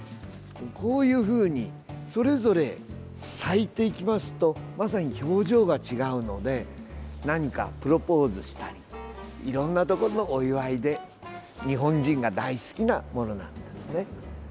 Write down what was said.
こういうふうに、それぞれ咲いてきますと表情が違うので何か、プロポーズしたりいろんなところのお祝いで日本人が大好きなものなんですね。